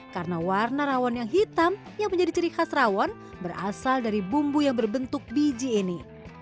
karena warna rawon yang hitam yang menjadi ciri khas rawon berasal dari bumbu yang berbentuk biji ini